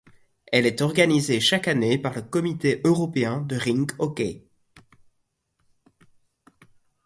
Elle est organisée chaque année par le Comité européen de rink hockey.